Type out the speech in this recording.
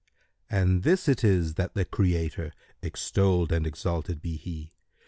And this it is that the Creator (extolled and exalted be He!)